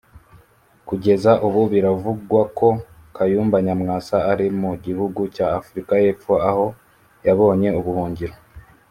Kugeza ubu biravugwa ko Kayumba Nyamwasa ari mu gihugu cya Africa y’epfo aho yabonye ubuhungiro